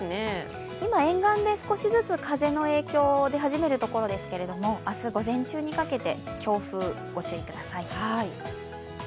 沿岸で少しずつ、風の影響出始めるところですけど明日午前中にかけて強風、ご注意ください。